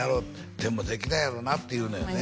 「でもできないやろうな」って言うのよね